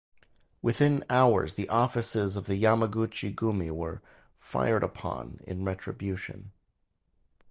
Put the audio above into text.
Within hours the offices of the Yamaguchi-gumi were fired upon in retribution.